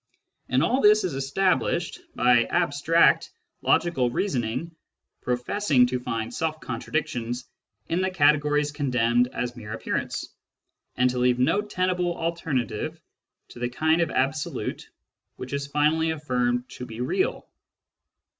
And all this is established by abstract logical reasoning professing to find self contradictions in the categories condemned as mere appearance, and to leave no tenable alternative to the kind of Absolute which is finally affirmed to be real.